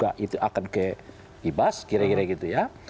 ya itu akan ke ibas kira kira gitu ya